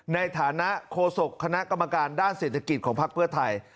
ในฐานะโฆษกคณะกรรมการด้านเศรษฐกิจของพักเพื่อไทย